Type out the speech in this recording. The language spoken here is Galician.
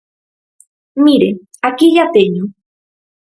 Mire, aquí lla teño.